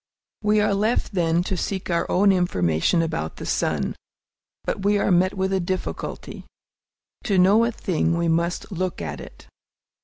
We are left, then, to seek our own information about the sun. But we are met with a difficulty. To know a thing, we must look at it.